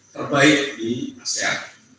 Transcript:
terbaik di asia